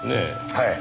はい。